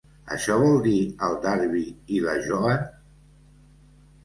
Això vol dir el Darby i la Joan?